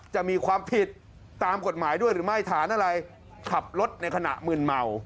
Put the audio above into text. จะมีความผิดตามกฎหมายด้วยหรือไม่ฐานอะไรขับรถในขณะมืนเมา